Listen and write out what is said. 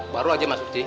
baru aja mas rudi